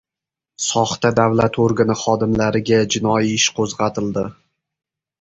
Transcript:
Soxta davlat organi xodimlariga jinoiy ish qo‘zg‘atildi